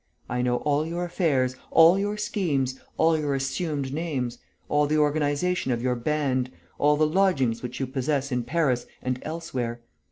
I know all your affairs, all your schemes, all your assumed names, all the organization of your band, all the lodgings which you possess in Paris and elsewhere.